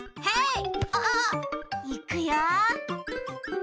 はい。